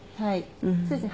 そうですね。